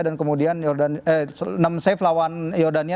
dan kemudian enam save lawan jordania